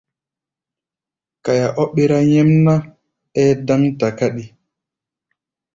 Kaya ɔ́ ɓérá nyɛ́mná, ɛ́ɛ́ dáŋ takáɗi.